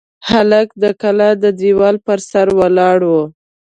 هلک د کلا د دېوال پر سر ولاړ و.